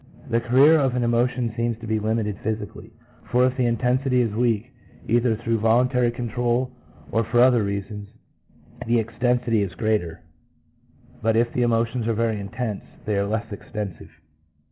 The career of an emotion seems to be limited physically, 1 for if the intensity is weak either through voluntary control or for other reasons, the extensity is greater; but if the emotions are very intense, they are less extensive.